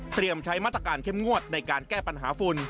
ใช้มาตรการเข้มงวดในการแก้ปัญหาฝุ่น